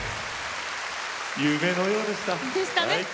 夢のようでした。